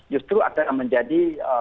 justru akan menjadi